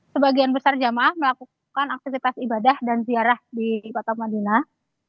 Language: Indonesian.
sebagian besar jamaah melakukan aktivitas ibadah dan ziarah di kota madinah